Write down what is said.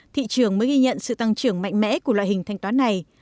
thị trường mới ghi nhận sự tăng trưởng mạnh mẽ của loại hình thanh toán này